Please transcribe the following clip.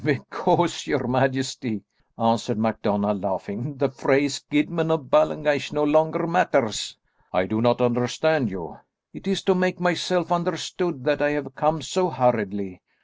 "Because, your majesty," answered MacDonald laughing, "the phrase, Guidman of Ballengeich, no longer matters." "I do not understand you." "It is to make myself understood that I have come so hurriedly.